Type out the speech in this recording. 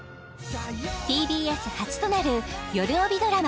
ＴＢＳ初となるよるおびドラマ